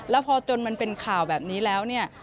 แล้วพอจนมันเป็นข่าวแบบนี้แล้วเนี่ย